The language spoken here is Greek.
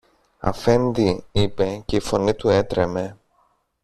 Αφέντη, είπε και η φωνή του έτρεμε